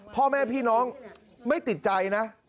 พ่อแม่พี่น้องไม่ติดใจนะ